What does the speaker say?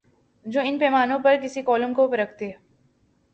جو ان پیمانوں پر کسی کالم کو پرکھتے